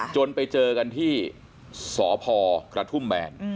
จนไปเจอกันที่สพกระทุ่มแบน